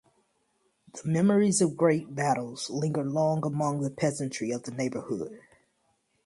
The memories of great battles linger long among the peasantry of the neighborhood.